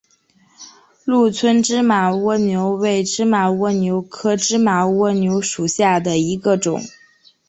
鹿村芝麻蜗牛为芝麻蜗牛科芝麻蜗牛属下的一个种。